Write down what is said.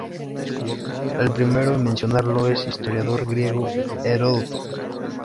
El primero en mencionarlo es el historiador griego Heródoto.